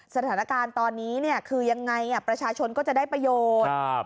สถานการณ์ตอนนี้คือยังไงประชาชนก็จะได้ประโยชน์